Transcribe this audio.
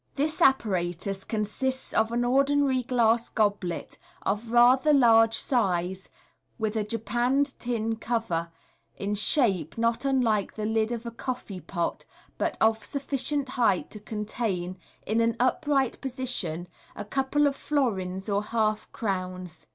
— This apparatus consists of aD ordinary glass goblet, of rather large size, with a japanned tin cover, in shape not unlike the lid of a coffee pot, but of sufficient height to contain, in an upright position, a couple of florins or half crowns.